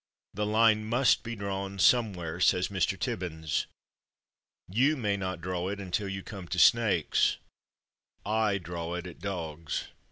The line must be drawn somewhere," says Mr. Tibbins; "you may not draw it until you come to snakes; I draw it at dogs."